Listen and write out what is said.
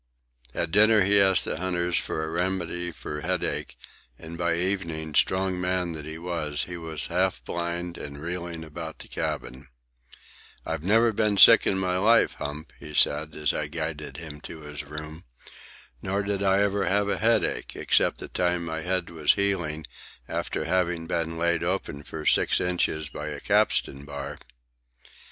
At dinner he asked the hunters for a remedy for headache, and by evening, strong man that he was, he was half blind and reeling about the cabin. "I've never been sick in my life, Hump," he said, as I guided him to his room. "Nor did I ever have a headache except the time my head was healing after having been laid open for six inches by a capstan bar."